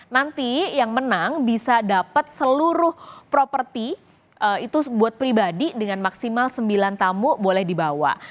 nanti yang menang bisa dapat seluruh properti itu buat pribadi dengan maksimal sembilan tamu boleh dibawa